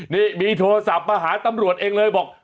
นี่มีโทรศัพท์มาหาตำรวจเองเลยบอก